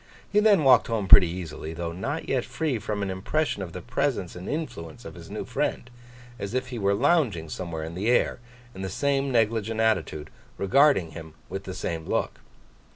He then walked home pretty easily, though not yet free from an impression of the presence and influence of his new friend—as if he were lounging somewhere in the air, in the same negligent attitude, regarding him with the same look.